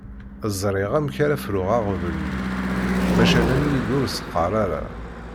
Ẓriɣ amek ara fruɣ aɣbel-nni maca nnan-iyi-d ur s-qqar ara.